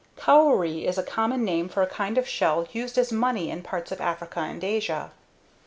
(Cowrie is a common name for a kind of shell used as money in parts of Africa and Asia.)